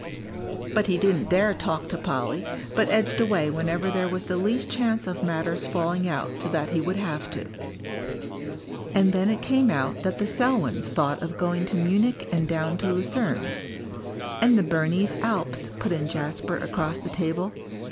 But he didn't dare talk to Polly, but edged away whenever there was the least chance of matters falling out so that he would have to. And then it came out that the Selwyns thought of going to Munich and down to Lucerne. "And the Bernese Alps," put in Jasper, across the table.